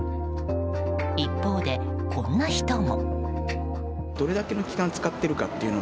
一方で、こんな人も。